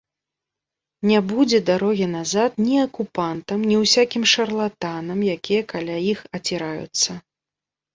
Не будзе дарогі назад ні акупантам, ні ўсякім шарлатанам, якія каля іх аціраюцца!